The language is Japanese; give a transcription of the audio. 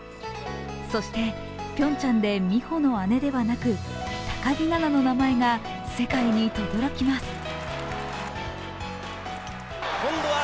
そしてピョンチャンで美帆の姉ではなく、高木菜那の名前が世界にとどろきます。